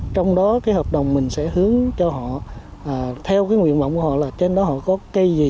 trong đó hợp đồng mình sẽ hướng cho họ theo nguyện mộng của họ là trên đó họ có cây gì